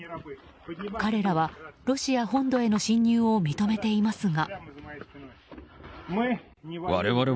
彼らはロシア本土への侵入を認めていますが。